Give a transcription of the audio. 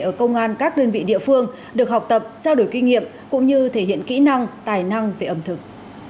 ở công an các đơn vị địa phương được học tập trao đổi kinh nghiệm cũng như thể hiện kỹ năng tài năng về ẩm thực